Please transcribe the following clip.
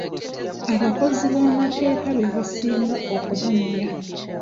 Abakozi b'amateeka be basinga okugamenya.